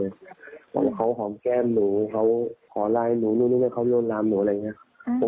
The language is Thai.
เพราะว่าเขาหอมแก้มหนูเขาหอมลายหนูนู่นู่นี่เขาโยนรำหนูอะไรอย่างเงี้ย